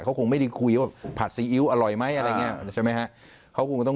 เขาก็ไม่ได้คุยพัดซีอิ๊วอร่อยมั้ยใช่มั้ยฮะ